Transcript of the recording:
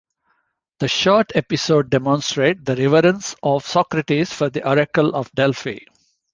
The short episode demonstrates the reverence of Socrates for the Oracle of Delphi.